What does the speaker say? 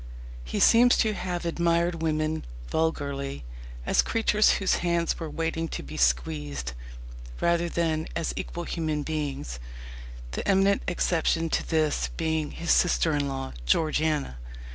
He seems to have admired women vulgarly as creatures whose hands were waiting to be squeezed, rather than as equal human beings; the eminent exception to this being his sister in law, Georgiana.